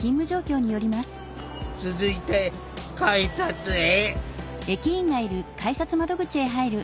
続いて改札へ。